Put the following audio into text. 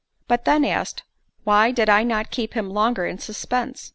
She then asked, "Why did I not keep him longer in suspense?